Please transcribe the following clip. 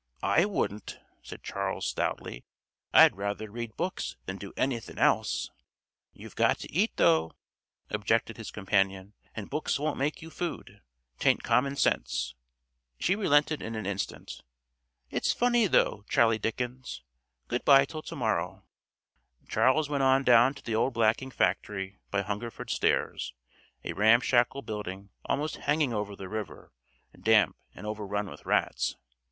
"I wouldn't," said Charles stoutly. "I'd rather read books than do anythin' else." "You've got to eat though," objected his companion, "and books won't make you food. 'Tain't common sense." She relented in an instant. "It's fun though, Charley Dickens. Good bye 'til to morrow." Charles went on down to the old blacking factory by Hungerford Stairs, a ramshackle building almost hanging over the river, damp and overrun with rats.